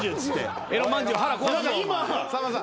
さんまさん